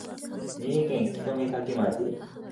三重県木曽岬町